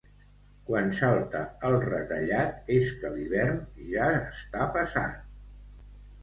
Quan salta el retallat és que l'hivern ja està passat.